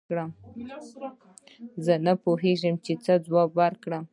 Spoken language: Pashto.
زه نه پوهېږم چې څه جواب ورکړم